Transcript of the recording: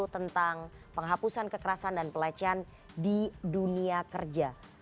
tentang penghapusan kekerasan dan pelecehan di dunia kerja